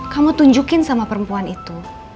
kamu tunjukin sama perempuan itu